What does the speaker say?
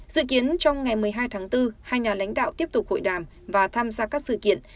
dự kiến trong ngày một mươi hai tháng bốn hai nhà lãnh đạo tiếp tục hội đàm và tham gia các sự kiện